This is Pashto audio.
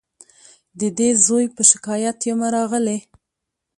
د دې زوی په شکایت یمه راغلې